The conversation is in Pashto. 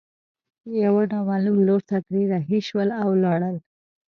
يوه نامعلوم لور ته ترې رهي شول او ولاړل.